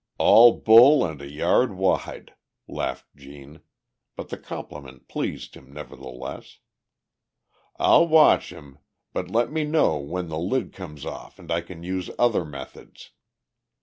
"All bull and a yard wide!" laughed Gene, but the compliment pleased him, nevertheless. "I'll watch him, but let me know when the lid comes off and I can use other methods."